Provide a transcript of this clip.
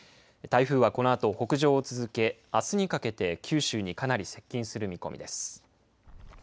台風はこのあと北上を続けあすにかけて九州にかなり接近する見込みです。